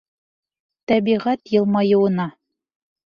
Тәбиғәт йылмайыуына!